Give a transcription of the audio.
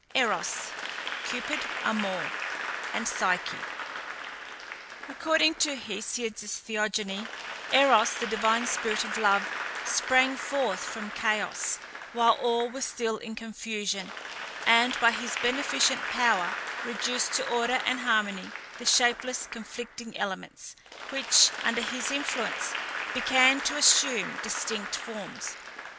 EROS (CUPID, AMOR) AND PSYCHE. According to Hesiod's Theogony, Eros, the divine spirit of Love, sprang forth from Chaos, while all was still in confusion, and by his beneficent power reduced to order and harmony the shapeless, conflicting elements, which, under his influence, began to assume distinct forms.